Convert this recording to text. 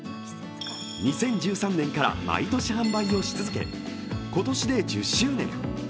２０１３年から毎年販売し続け今年で１０周年。